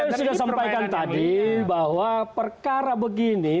bahwa perkara begini tidak perlu dianggap seperti bung boney